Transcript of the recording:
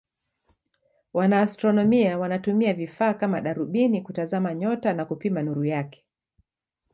Wanaastronomia wanatumia vifaa kama darubini kutazama nyota na kupima nuru yake.